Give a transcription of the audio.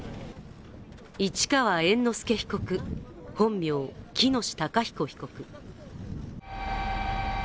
市川猿之助被告、本名・喜熨斗孝彦被告